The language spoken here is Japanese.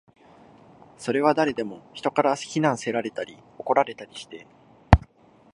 それは誰でも、人から非難せられたり、怒られたりして